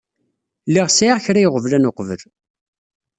Lliɣ sɛiɣ kra iɣeblan uqbel.